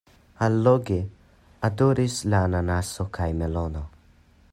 Alloge odoris la ananaso kaj melono.